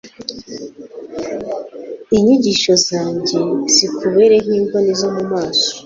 inyigisho zanjye zikubere nk'imboni zo mu maso